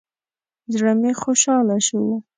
زړه مې خوشحاله شو.